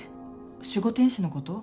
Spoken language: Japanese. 守護天使のこと？